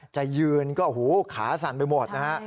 จะยืนก็ขาสั่นไปหมดนะฮะ